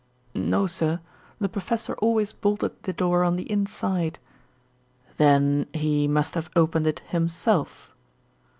"No, sir, the professor always bolted the door on the inside." "Then he must have opened it himself?"